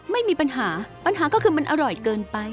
ไม่มีปัญหาปัญหาก็คือมันอร่อยเกินไป